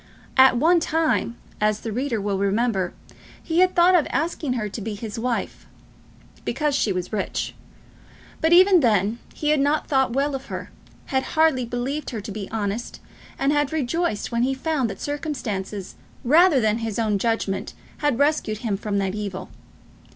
At one time, as the reader will remember, he had thought of asking her to be his wife; because she was rich; but even then he had not thought well of her, had hardly believed her to be honest, and had rejoiced when he found that circumstances rather than his own judgment had rescued him from that evil.